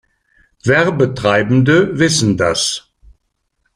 Werbetreibende wissen das.